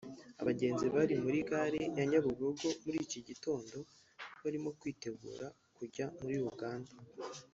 Abagenzi bari muri gare ya Nyabugogo muri iki gitondo barimo kwitegura kujya muri Uganda